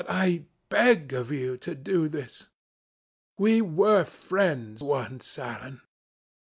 But I beg of you to do this. We were friends once, Alan."